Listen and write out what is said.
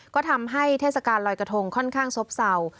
ก็ทำให้เทศกาลลอยกระทงค่อนข้างซบเศร้า